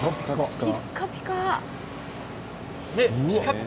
ピッカピカ。